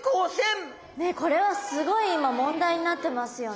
これはすごい今問題になってますよね。